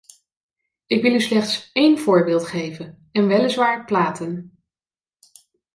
Ik wil u slechts één voorbeeld geven: en weliswaar platen.